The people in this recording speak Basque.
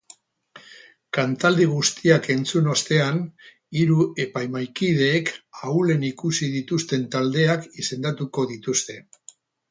Kantaldi guztiak entzun ostean, hiru epaimahaikideek ahulen ikusi dituzten taldeak izendatuko dituzte.